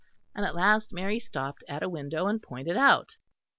And at last Mary stopped at a window, and pointed out.